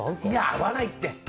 合わないって。